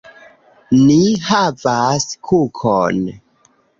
Ni havas kukon!